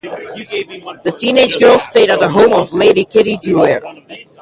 The teenage girls stayed at the home of Lady Kitty Duer.